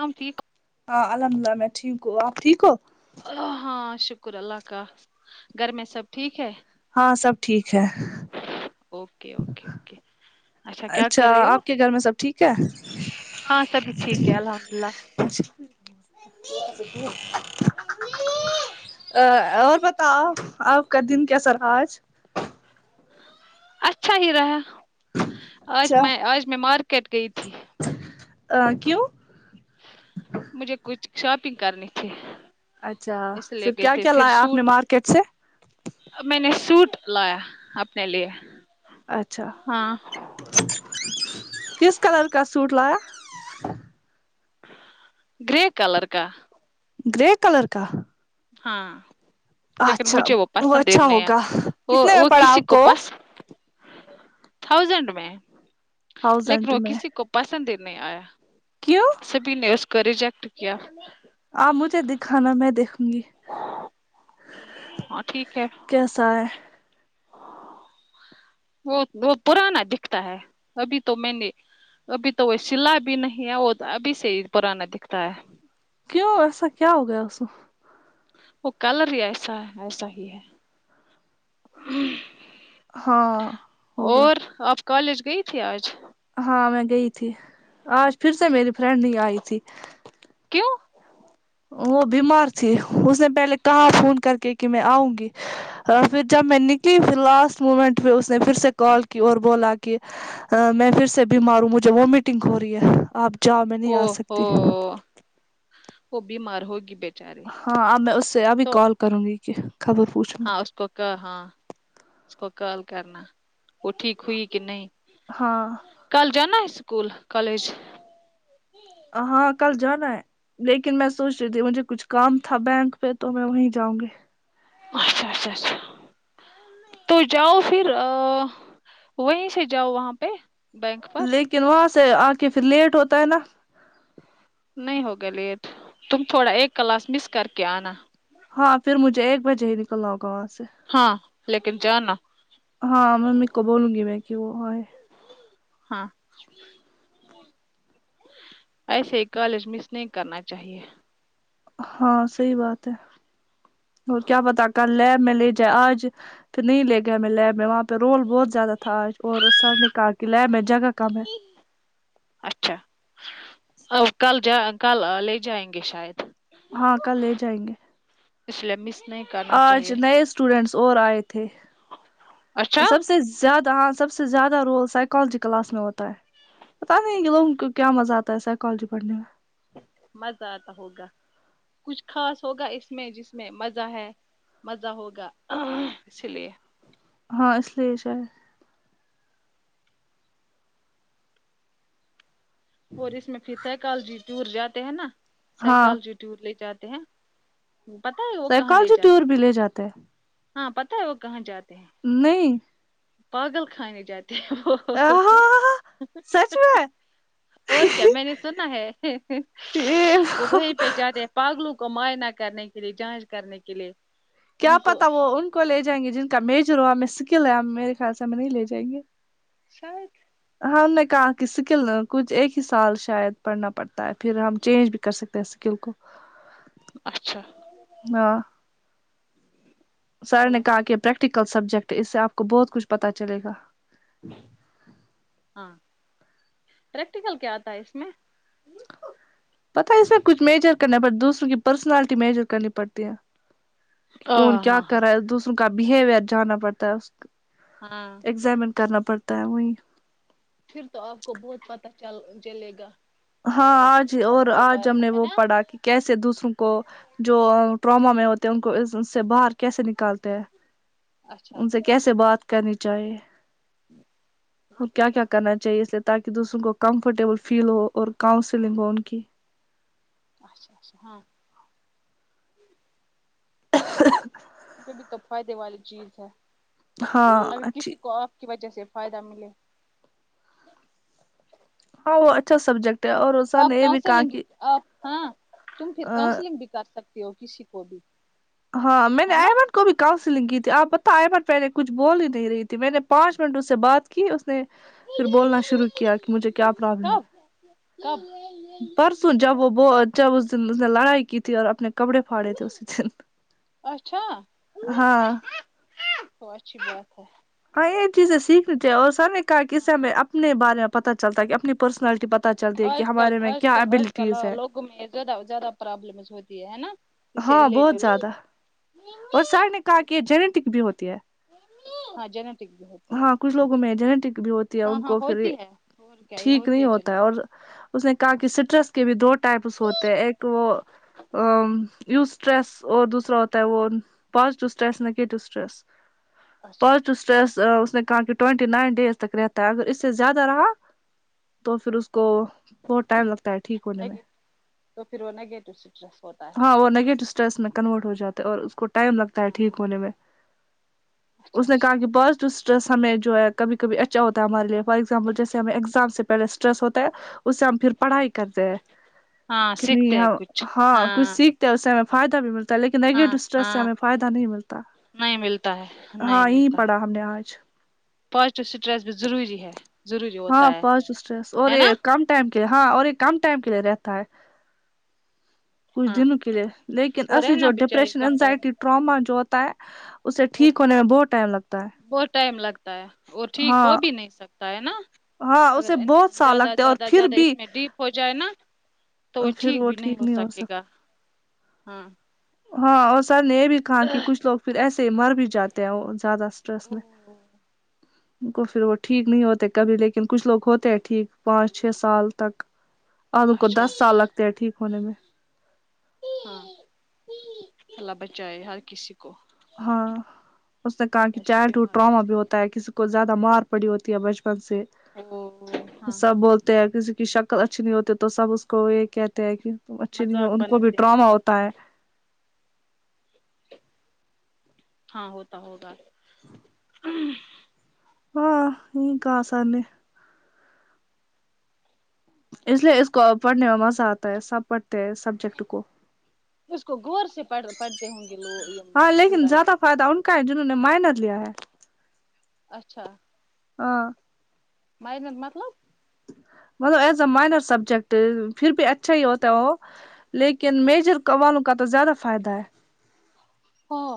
آپ ٹھیک ہو ہاں الحمد للہ میں ٹھیک ہوں آپ ٹھیک ہو ا ہاں شکر اللہ کا گھر میں سب ٹھیک ہے ہاں سب ٹھیک ہے اوکے اوکے اوکے اچھا کیا کر رہے ہو آپ کے گھر میں سب ٹھیک ہے ہاں سبھی ٹھیک ہے الحمد اللہ ممی [unintelligible] ا اور بتاؤ آپ کا دن کیسا رہا آج اچھا ہی رہا آج میں آج میں مارکیٹ گئی تھی ا کیوں مجھے کچھ شاپنگ کرنی تھی اچھا اس لیے پھر گئے کیا تھے کیا لایا آپ نے مارکیٹ سے ا میں نے سوٹ لایا اپنے لیے اچھا ہاں کس کلر کا سوٹ لایا گرے کلر کا گریے کلر کا ہاں لیکن اچھا مجھے وہ پسند ہی اچھا نہیں آیا ہوگا وہ کتنے میں وہ پڑا کسی آپ کو پسند تھاؤزینڈ میں لیکن تھاؤزینڈ وہ میں کسی کو پسند ہی نہیں آیا کیوں سبھی نے اس کو ریجیکٹ کیا آپ مجھے دکھانا میں دیکھوں گی ہاں ٹھیک ہے کیسا ہے وہ وہ پرانا دکھتا ہے ابھی تو میں نے ابھی تو وہ سلا بھی نہیں ہے وہ ابھی سے ہی پرانا دکھتا ہے کیوں ایسا کیا ہو گیا اس کو وہ کلر ہی ایسا ہے ایسا ہی ہے ہاں ہوگا اور آپ کالج گئی تھی آج ہاں میں گئی تھی آج پھر سے میری فرینڈ نئی آئی تھی کیوں وہ بیمار تھی اس نے پہلے کہا فون کر کے کہا میں آؤں گی پھر جب میں نکلی پھر لاسٹ مومنٹ پے اس نے پھر سے کال کی اور بولا کہ میں پھر سے بی مار ہوں مجھے ومیٹنگ ہو رہی ہے آپ جاؤ میں نہیں او آ ہو سکتی وہ بیمار ہوگی بیٹ ہاں اب میں اس سے ابھی کال کروں گی کہ خبر پوچھوں گی ہاں اس کو کا ہاں اس کو کال کرنا وہ ٹھیک ہوئی کہ نہیں ہاں کل جانا ہے اسکول کالج ہاں کل جانا ہے لیکن میں سوچ رہی تھی مجھے کچھ کام تھا بینک پہ تو میں وہیں جاؤں گی اچھا اچھا اچھا تو جاؤ پھر وہیں سے جاؤ وہاں پہ بینک پر لیکن وہاں سے آ کے پھر لیٹ ہوتا ہے نا نہیں ہوگا لیٹ تم تھوڑا ایک کلاس مس کر کے آنا ہاں پھر مجھے ایک بجے ہی نکلنا ہوگا وہاں سے ہاں لیکن جانا ہاں ممی کو بولوں گی میں کہ وہ ائے ہاں ایسے ہی کالج مس نہیں کرنا چاہیے ہاں صحیح بات ہے اور کیا پتا کل لے میں لے جائے آج پھر نہیں لے گیا ہم لیب میں وہاں پہ رول بہت زیادہ تھا آج اور سر نے کہا کہ لیب میں جگہ کم ہے اچھا ا کل جا کل لے جائیں گے شاید ہاں کل لے جائیں گے [unintelligible] آج چاہیے نئے اسٹوڈینٹس اور آئے تھے اچھا سب سے زیادہ ہاں سب سے زیادہ رول سائیکالوجی کلاس میں ہوتا ہے پت نہیں ہے کہ لوگوں کو کیا مزہ آتا سائیکالوجی پڑنے میں مزہ آتا ہوگا کچھ خاص ہوگا اس میں جس میں مزہ ہے مزہ ہوگا اسی لیے ہاں اس لیے شاحید اور اس میں پھر سائیکالوجی ٹور جاتے ہیں نا ہاں سائیکالوجی ٹور لے جاتے ہیں پتہ ہے وہ کہاں لے سائیکالوجی ٹور جاتے ہیں بھی لے جاتے ہیں ہاں پتہ ہے وہ کہاں جاتے ہیں نہیں پاگل خانے جاتے ہیں وہ ہاں سچ میں اور کیا میں نے سنا ہے وہ یہ وہی پہجا دیا پاگلوں کو معائنہ کرنے کے لیے جانچ کرنے کے لیے کیا ان کو پتا وہ ان کو لے جائیں گے جن کا میجر ہو ہمیں سکل ہے ہم میرے خیال سے ہم نہیں لے جائیں گے شاید ہم نے کہا کہ اسکل کچھ ایک ہی سال شاید پڑھنا پڑتا ہے پھر ہم چینج بھی کر سکتے پے اسکل کو اچھا ہاں سر نے چلو کہا کہ پریکٹیکل سبجیکٹ اس سے آپ کو بہت کچھ پتا چلے گا ہاں پریکٹیکل کیا تھا اس میں پتا یہ سب کچھ میجر کرنا پڑتا دوسروں کی پرسنالٹی میجر کرنی پڑتی ہے کون ہاں کیا ہاں ہاں کرا ہے دوسروں کا بہیوئر جاننا پڑتا ہے ہاں ایگزامن کرنا پڑتا ہے وہیں پھر تو آپ کو بہت پتا چل چلے گا آ، ہاں آج ہی سب اور کے آج بارے ہم میں نے ہے وہ نا پڑھا کہ کیسے دوسروں کو جو ٹراما میں ہوتے ہیں ان کو اس سے باہر کیسے نکالتے ہیں اچھا ان سے کیسے بات کرنی چاہیے اور کیا کیا کرنا چاہیے اس لیے تاکہ دوسروں کو کمفرٹیبل فیل ہو اور کاؤنسلنگ ہو ان کی اچھا اچھا ہاں یہ بھی تو فائدے والی چیز ہے ہاں اگر اچھی کسی کو آپ کی وجہ سے فائدہ ملے ہاں اچھا سبجیکٹ ہے اور سر آپ نے یہ کہاں بھی سے کہا لیں گے کہ آپ ہاں تم پھر کانسلنگ بھی کر سکتی ہو کسی کو بھی ہاں میں نے ہے آ نا کو بھی کاؤنسلنگ کی تھی آپ بت آئے بار پہ نے کچھ بول ہی نہیں رہی تھی میں نے پانچ منٹ اس سے بات کی اس نے پھر بولنا شروع کیا کہ مجھے کیا پرابلم ہے کب کب پرسوں جب وہ ب اس دن نے لڑائی کی تھی اور اپنے کپڑے پھاڑے تھے اسی دن اچھا ہاں تو اچھی بات ہے ہاں یہ چیزیں سیکھنی چاھیئے اور سر نے کہا کہ اس سے ہمیں اپنے بارے میں پتا چلتا ہے کہ اپنی پرسنالٹی پ آج کل آج کل آج کلاں ہے لوگوں میں زیادہ زیادہ پرابلمز ہوتی ہے نا شری ہاں لےٹ بہت زیادہ اور سر نے کہا کہ یہ جینیٹک بھی ہوتی ہے ہاں جںیٹک ہاں کچھ لوگوں میں جنیٹک بھی ہوتی ہے ہاں ان ہاں کو پھر ہوتی ہے اور کیا یہ ٹھیک ہوتی نہیں ہوتا ہے اور پھر جینیٹک اس نے کہا کہ سٹرس کے بھی دو ٹائپس ہوتے ایک وہ ا نیو اسٹریس اور دوسرا ہوتا ہے وہ پاسٹ اسٹریس نگیٹیو اسٹریس اچھا پاسٹ اسٹریس اس نے کہا کہ ٹوئینٹی نائن ءیز تک رہتا ہے اگر اس سے زیادہ رہا تو پھر اس کو بہت ٹائم لگتا ہے ٹھیک ہونے میں نگیٹ تو پھر وہ نگیٹو اسٹریس ہوتا ہے ہاں وہ نگیٹو اسٹریس میں کنورٹ ہو جاتا ہے اور اس کو ٹائم لگتا ہے ہاں ٹھیک ہونے میں اچھا اس نے اچھا کہا کہ پاسٹ اسٹرس ہمیں جو ہے کبھی کبھی اچھا ہوتا ہے ہمارے لیے ایگزامپل جیسے ہمیں ایگزام سے پہلے اسٹریس ہوتا ہے اس سے ہم پھر پڑھائی کرتے ہیں ہاں کہ نہیں سیکھتے ہیں کچھ ہاں کچھ سیکھ تو اس سے ہمیں فائدہ بھی ملتا لیکن ہاں نگیٹو اسٹریس سے ہاں ہمیں فائدہ نہیں ملتا نہیں ملتا ہے ہاں یہی پڑا ہم نے یہاں اچھا پاسٹ سٹریس بھی ضروری ہے ضروری ہاں ہوتا ہے پاسٹ اسٹریس اور ہے نا یہ کم ٹائم کے لیے ہاں اور یہ کم ٹائم کے لیے رہتا ہے کچھ ہاں دنوں کے لیے لیکن اور اصلی رہنا جو بھی چاہیے ڈپریشن کم انینزائٹی ٹراما جو ہوتا ہے اسے او ٹھیک ہونے میں بہت ٹائم لگتا ہے بہت ٹائم لگتا ہے اور ٹھیک ہو ہاں بھی نہیں سکتا ہے نا ہاں اگر اسے بہت انسان سال زیادہ لگتے اور زیادہ پھر زیادہ اس بھی میں ڈیپ ہو جائے نا تو وہ ٹھیک بھی نہیں ہو سکے گا ہاں ہاں اور سر نے یہ بھی کہا کہ کچھ لوگ پھر ایسے ہی مر بھی جاتے ہیں وہ زیادہ اسٹریس میں ان کو پھر وہ ٹھیک نہیں ہوتے کبھی لیکن کچھ لوگ ہوتے ہیں ٹھیک پانچ چھ سال تک اب ان کو اچھا دس سال لگتے ہیں ٹھیک ہونے میں ہاں اللہ بچائے ہر کسی کو ہاں اس نے کہا کہ ایسی چاہے بیماریوں ٹراما سے بھی ہوتا کسی کو زیادہ مار پڑی ہوتی ہے بچپن سے او ہاں ہاں سب بولتے ہے کسی کی شکل اچھی نہیں ہوتی تو سب اس کو یہ کہتے ہیں کہ تم اچھی نہیں مذاق ہو ان کو بھی بناتے ہیں اس ٹراما کا ہوتا ہے ہاں ہوتا ہوگا ہاں یہ کہا آسان ہے اس لیے اس کو پڑھنے میں مزہ آتا ہے سب پڑھتے ہیں سبجیکٹ کو اس کو غور سے پڑ پڑھتے ہوں گے لوگ اسٹوڈنٹ فایدہ ان کا ہے جنہوں نے مائنر لیا ہے اچھا ہاں مائنر مطلب مطلب ایز اے مائنر سبجیکٹ پھر بھی اچھا ہی ہوتا ہے وہ لیکن کن میجر والوں کا تو زیادہ فائدہ ہے ہاں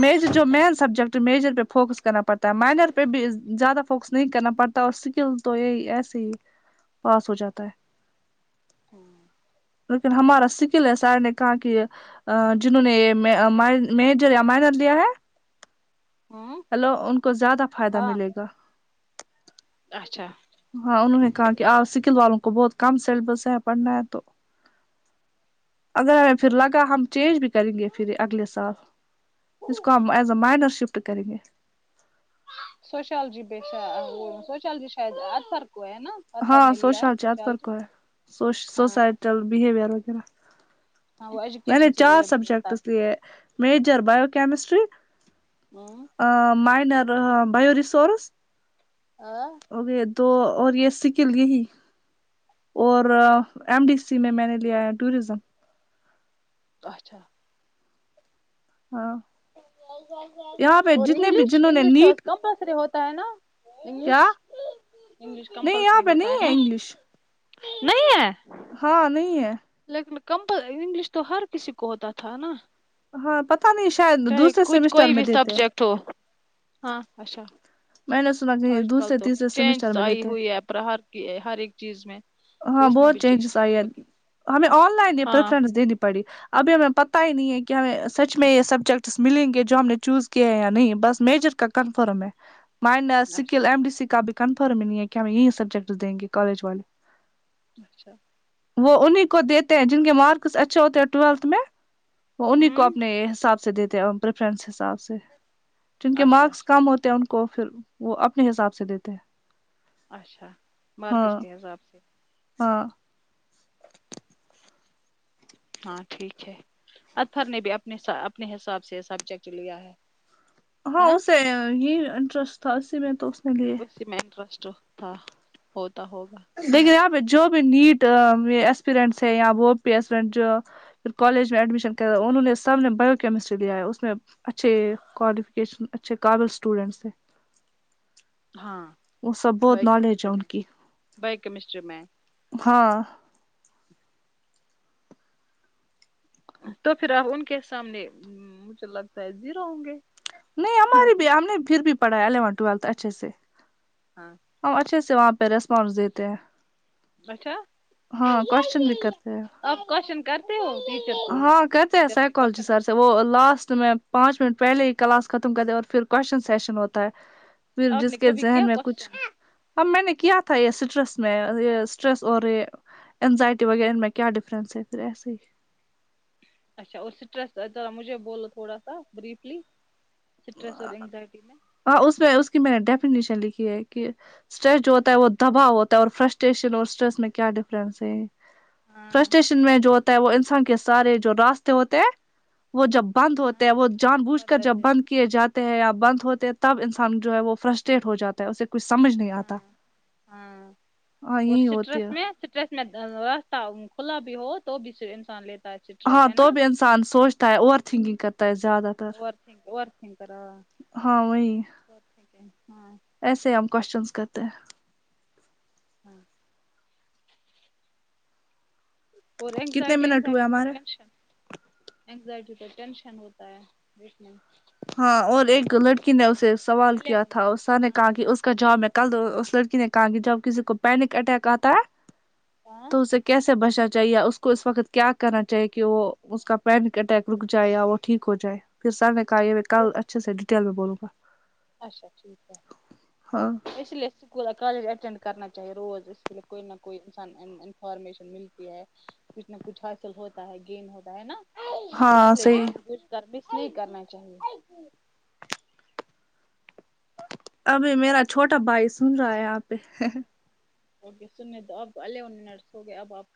میجر جو مین سبجیکٹ میجر پہ فوکس کرنا پڑتا ہے مائنر پہ بھی زیادہ فوکس نہیں کرنا پڑتا اور سکل تو یہی ایسے ہی پاس ہو جاتا ہے ہاں لیکن ہمارا سکل ہے سر نے کہا کہ جنہوں نے مائنر لیا ہے ہوں ہیلو ان کو زیادہ فائدہ ہاں ملے گا اچھا ہاں انہوں نے کہا کہ سکل والوں کو بہت کم سیلیبس ہے پڑھنا ہے تو اگر پھر لگا ہم چینج بھی کریں گے پھر اگلے سال اس کو ہم ایز اے مائنر شفٹ کریں گے سوشالوجی پش وہ سوشالوجی شاید اطہر کو ہے نہ ہاں سوشیالوجی اطہر کو ہے ہاں سوسائٹل بہیور وغیرہ ہاں وہ نہیں نہیں ایجوکیشن سے چار ریلیٹڈ ہوتا ہے سبجیکٹس یہ میجر باوکمیسٹری ہاں مائنر بیو ریسورورس آ اور یہ دو اور یہ سیکل لیے ہی اور ایم ڈی سی میں میں نے لیا ہے ٹوریزم اچھا ہاں یہاں پہ اور جتنے بھی انگلش جنہوں نے انگلش تو نیٹ کمپلسری ہوتا ہے نا انگلش کیا انگلش نہیں یہاں کمپلسری پہ ہوتا ہے نہیں نا انگلش نہیں ہے ہاں نہیں ہے لیکن کمپل انگلش تو ہر کسی کو ہوتا تھا نا ہاں پتا نہیں شاید دوسرے سیمسٹر میں دیتے ہیں تو ہاں اچھا میں نے سنا کہ دوسرے حرکتوں تیسرے چینج سیمسٹر میں آئی دیتے ہیں. ہوئی ہے ابرار کی ہر ایک چیز میں تو ہاں اس میں بہت بھی چینجز چینج آئی ہے ہوگی ہمیں آن لائن یہ ہاں پریفرنس دینی پڑی ابھی ہمیں پتہ ہی نہیں ہے کہ ہمیں سچ میں یہ سبجیکٹس ملیں گے جو ہم نے چوز کیے ہیں یا نہیں بس میجر کا کنفرم ہے ماینر سکل اچھا ایم ڈی سی کاابھی کنفرم ہی نہیں ہے کہ ہم یہی سبجیکٹس دیں گے کالج والے اچھا وہ انہیں کو دیتے ہیں جن کے مارکس اچھے ہوتے ہیں ٹویلتھ میں وہ انہیں کو ہوں اپنے حساب سے دیتے پریفرنس حساب سے جن کے اچھا اچھا مارکس کم ہوتے ہیں ان کو پھر وہ اپنے حساب سے دیتے ہیں اچھا مارکس ہاں کے حساب سے ہاں ہاں ٹھیک ہے اطفر نے بھی اپنے اپنے حساب سے یہ سبجیکٹ لیا ہے ہے ہاں نا اسے یہ انٹرسٹ تھا اسی میں تو اس نے لیا سیمینٹ رسٹ تھا ہوتا ہوگا لیکن یہاں پہ جو بھی نیٹ ایکسپرینٹس ہے وہ بھیپن جو پھر کالج میں ایڈمیشن کر انہوں نے سام نے بیو کیمسٹری لیا اس میں اچھے کوالیفکیشن اچھے قابل اسٹوڈنٹس ہیں ہاں وہ سب بہت بائیو نالج کیمسٹری ہے ان میں کی بائیو کیمسٹری میں ہاں تو پھر آپ ان کے سامنے مجھے لگتا ہے زیرو ہوں گے نہیں ہماراری بھی ہم نے پھر بھی پڑھایا الیون ٹویلتھ اچھے سے ہاں ہم اچھے سے وہاں پہ ریسپانس دیتے ہیں اچھا ہاں کوشچن بھی کرتے ہیں آپ کوشن کرتے ہو کو ہاں کہتے ہیں ٹیچر سے سائیکالوجی کوشچن سر سے پوچھتے ہیں وہ لاسٹ میں پانچ منٹ پہلے ہی کلاس ختم کر د اور پھر کوشچن سشن ہوتا ہے پھر آپ جس نے کے کبھی ذہن کیا میں کچھ کوشچن اب میں نے کیا تھا آپ یہ نے سٹرس یہ اسٹریس اور انزائٹی وغیرہ ان میں کیا ڈفرنس ہے پھر ایسے ہی اچھا اورٹریس ذرا مجھے بولو تھوڑا سا بریفلی سٹرس اورگز میں ہاں اس میں اس کی میں نے ڈیفینیشن لکھی ہے کہ اسٹریس جو ہوتا ہے وہ دباؤ ہوتا ہے اور فرسٹریشن اور اسٹریس میں کیا ڈفرینس ہے ہاں فرسٹریشن میں جو ہوتا ہے وہ انسان کے سارے جو راستے ہوتے ہیں وہ جب بند ہاں ہوتے وہ جان بوجھ کر جب ہوتے ہیں، بند کیے جاتے ہیں یا بند ہوتے ہیں تب انسان جو ہے وہ فرسٹریٹ ہو جاتا ہے اسے کچھ سمجھ نہیں آتا ہاں ہاں ہاں اور یہی ہوتی سٹرس ہے میں راستہ کھلا بھی ہو تو بھی انسان لیتے چٹرک ہاں ہے تو بھی انسان سوچتا ہے اوور تھنکنگ کرتا ہے زیادہ تر ناورنگ وور تھن کرا ہاں وہی ہاں ایسے ہم کوشچنس کرتے ہیں ہاں اور کتنے اینزائٹی منٹ ہوئے اینزائٹی ٹو ہمارے ٹینشن اینگزائٹی کا ٹینشن ہوتا ہے بیھنے میں ہاں اور ایک لڑکی نے اسے سوال کیا الیون تھا سا منٹ نے ہاں کہا کہ اس کا جواب میں کل اس لڑکی نے کہا کہ جب کسی کو پینک اٹیک آتا ہے ہاں تو اسے کیسے سے بچنا چاہیےیا اس کو اس وقت کیا کرنا چاہیے کہ وہ اس کا پینک اٹیک رک جائے یا وہ ٹھیک ہو جائے پھر سر نے کہا یہ میں پھر کل اچھے سے ڈیٹیل میں بولوں گا اچھا ٹھیک ہے ہاں اس لیے کالج اٹینڈ کرنا چاہیے روز اسے کو نہ کوئی انسان انفارمیشن ملتی ہے کچھ نہ کچھ حاصل ہوتا ہے گین ہوتا ہے نا ہاں اس لیے صحیح جان بچ کر بھیس نہیں کرنا چاہیے ابھی میرا چھوٹا بھائی سن رہا ہے یہاں پہ اوکے سننے دو آپ کو الیون منٹس ہو گئے اب آپ